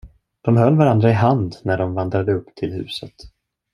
De höll varandra i hand när de vandrade upp till huset.